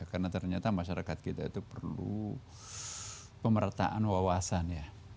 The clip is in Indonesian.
karena ternyata masyarakat kita itu perlu pemerataan wawasan ya